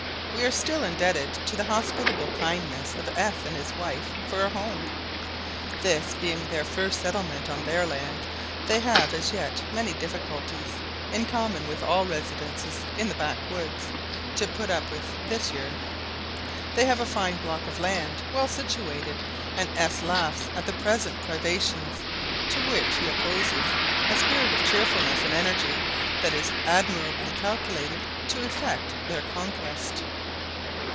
We are still indebted to the hospitable kindness of S and his wife for a home. This being their first settlement on their land they have as yet many difficulties, in common with all residents in the backwoods, to put up with this year. They have a fine block of land, well situated; and S laughs at the present privations, to which he opposes a spirit of cheerfulness and energy that is admirably calculated to effect their conquest.